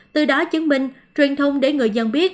từ đó chứng minh truyền thông để người dân biết